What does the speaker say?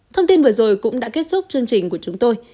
thông tin vừa rồi cũng đã kết thúc chương trình của chúng tôi